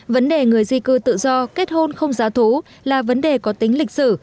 vấn đề người di cư tự do kết hôn không giá thú là vấn đề có tính lịch sử